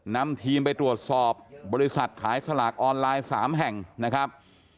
นำทีมไปตรวจสอบบริษัทขายสลากออนไลน์๓แห่งนะครับ